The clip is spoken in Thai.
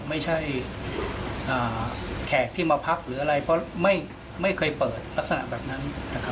แขกที่มาพักหรืออะไรเพราะไม่เคยเปิดลักษณะแบบนั้น